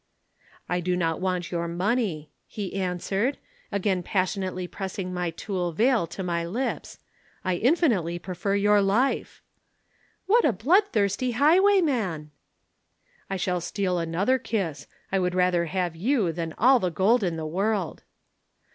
"'I do not want your money,' he answered, again passionately pressing my tulle veil to my lips. 'I infinitely prefer your life.' "'What a bloodthirsty highwayman!' "'I shall steal another kiss. I would rather have you than all the gold in the world.'